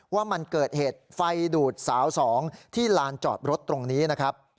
ว่ามันเกิดเหตุไฟดูดสาวสองที่ลานจอดรถตรงนี้นะครับ